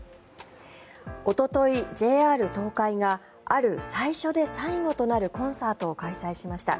おととい、ＪＲ東海がある最初で最後となるコンサートを開催しました。